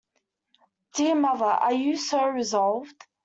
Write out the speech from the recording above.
Dear mother, are you so resolved?